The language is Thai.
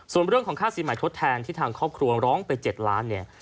ส่วนเรื่องของค่าสินใหม่ทดแทนที่ทางครอบครัวร้องไป๗ล้านเนี่ย